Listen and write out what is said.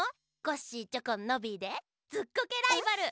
コッシーチョコンノビーで「ずっこけライバル」。